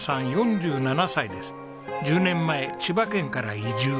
１０年前千葉県から移住。